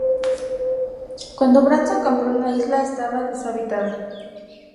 Cuando Branson compró la isla, estaba deshabitada.